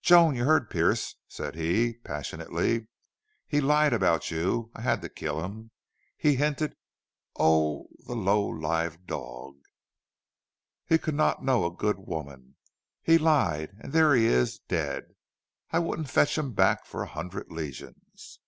"Joan you heard Pearce," said he, passionately. "He lied about you. I had to kill him. He hinted Oh, the low lived dog! He could not know a good woman. He lied and there he is dead! I wouldn't fetch him back for a hundred Legions!"